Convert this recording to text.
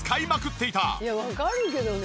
いやわかるけどね。